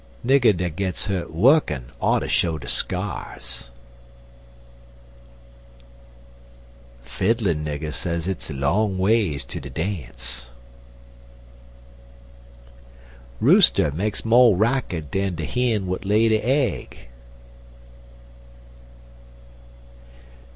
Nigger dat gets hurt wukkin oughter show de skyars. Fiddlin' nigger say hit's long ways ter de dance. Rooster makes mo' racket dan de hin w'at lay de aig.